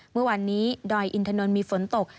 เมื่อวานนี้ดอยอินทนนท์มีฝนตก